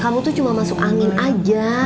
kamu tuh cuma masuk angin aja